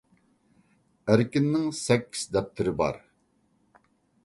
ئەركىننىڭ سەككىز دەپتىرى بار.